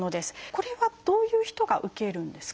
これはどういう人が受けるんですか？